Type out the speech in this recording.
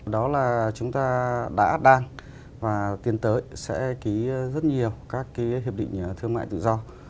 đó là chúng ta đã đang và tiến tới sẽ ký rất nhiều các hiệp định thương mại tự do